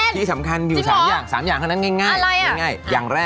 ถ้าแบบเมาอะ